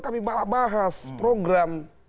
kami bahas program